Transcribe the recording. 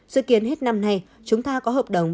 dự kiến hết năm nay chúng ta có hợp đồng